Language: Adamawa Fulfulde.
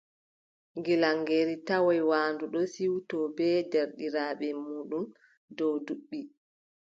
Gilaŋeeru tawoy waandu ɗon siwto bee deerɗiraaɓe muuɗum dow duɓɓi.